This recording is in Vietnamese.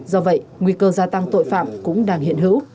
do vậy nguy cơ gia tăng tội phạm cũng đang hiện hữu